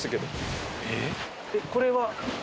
これは？